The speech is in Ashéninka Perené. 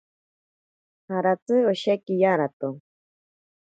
Jaratsi osheki yarato.